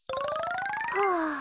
はあ。